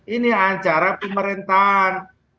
ini acara pemerintahan